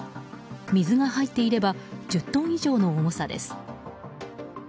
水が入っていれば１０トン以上の重さです。